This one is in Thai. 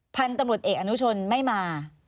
พันธุ์ตำรวจเอกอนุชนไม่มา